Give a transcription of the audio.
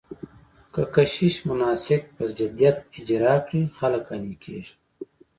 که کشیش مناسک په جديت اجرا کړي، خلک قانع کېږي.